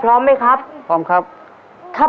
ภายในเวลา๓นาที